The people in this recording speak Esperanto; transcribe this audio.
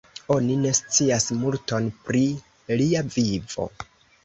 Oni ne scias multon pri lia vivo.